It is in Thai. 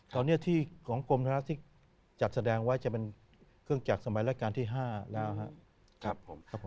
ตอนนี้ที่ของกรมธนรัฐที่จัดแสดงไว้จะเป็นเครื่องจักรสมัยราชการที่๕แล้วครับผม